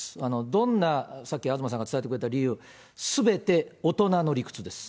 どんな、さっき東さんが伝えてくれた理由、すべて大人の理屈です。